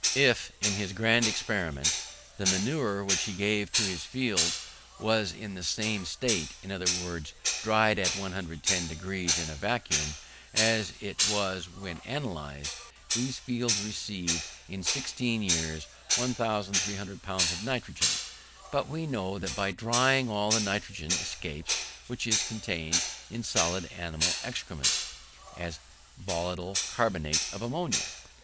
If, in his grand experiments, the manure which he gave to his fields was in the same state, i.e. dried at 110 deg in a vacuum, as it was when analysed, these fields received, in 16 years, 1,300 pounds of nitrogen. But we know that by drying all the nitrogen escapes which is contained in solid animal excrements, as volatile carbonate of ammonia.